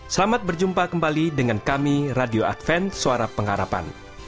selamat berjumpa kembali dengan kami radio advent suara pengharapan